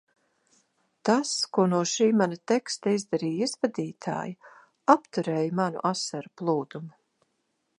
Tas, ko no šī mana teksta izdarīja izvadītāja, apturēja manu asaru plūdumu.